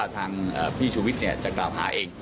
ทางพี่ชวิดกล่าวหาเอง